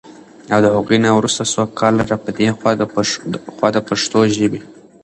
او د هغوی نه وروسته څو کاله را پدې خوا د پښتو ژبې